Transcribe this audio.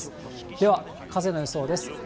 では、風の予想です。